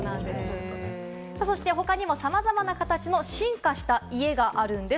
そして他にもさまざまな形の進化した家があるんです。